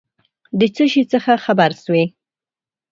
د څه شي څخه خبر سوې ؟